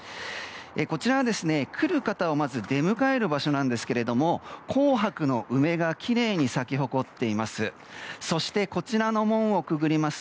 こちらは来る方をまず出迎える場所なんですけれども紅白の梅がきれいに咲き誇っています。